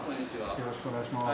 よろしくお願いします。